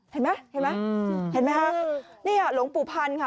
เห็นไหมนี่หลวงปุปันค่ะ